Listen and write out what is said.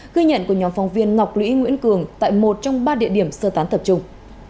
ghi nhận của nhóm phóng viên ngọc lũy nguyễn cường tại một trong ba địa điểm sơ tán tập trung